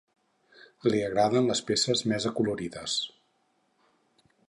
Li agraden les peces més acolorides.